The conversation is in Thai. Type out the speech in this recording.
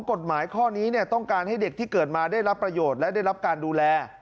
กฎหมายข้อนี้ต้องการให้เด็กที่เกิดมาได้รับประโยชน์และได้รับการดูแล